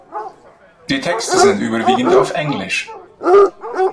Die Texte sind überwiegend auf Englisch.